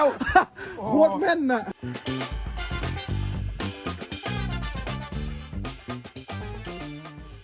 ว่าเม่นเนี่ย